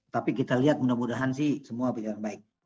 tapi kita lihat mudah mudahan sih semua berjalan baik